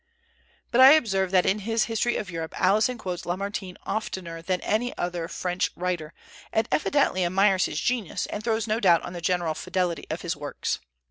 But I observe that in his "History of Europe" Alison quotes Lamartine oftener than any other French writer, and evidently admires his genius, and throws no doubt on the general fidelity of his works.